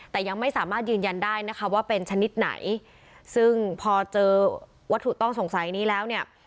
แต่ยังไม่สามารถยืนยันได้นะคะว่าเป็นชนิดไหนซึ่งพอเจอวัตถุต้องสงสัยนี้แล้วเนี่ย